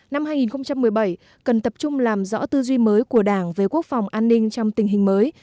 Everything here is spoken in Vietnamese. năm hai nghìn một mươi bảy cần tập trung làm rõ tư duy mới của đảng về quốc phòng an ninh trong tình hình mới